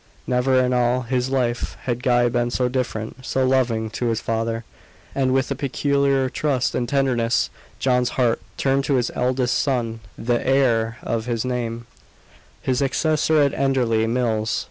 Never in all his life had Guy been so deferent, so loving, to his father. And with a peculiar trust and tenderness, John's heart turned to his eldest son, the heir of his name, his successor at Enderley Mills.